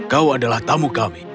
kau adalah tamu kami